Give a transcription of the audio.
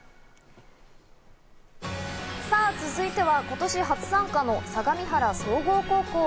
さぁ続いては今年初参加の相模原総合高校。